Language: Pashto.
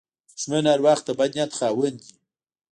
دښمن هر وخت د بد نیت خاوند وي